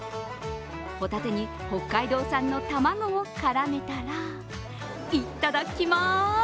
ホタテに北海道産の卵を絡めたらいただきます。